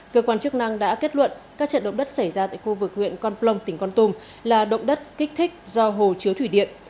cơ quan chức năng đã kết luận các trận động đất xảy ra tại khu vực huyện con plong tỉnh con tum là động đất kích thích do hồ chứa thủy điện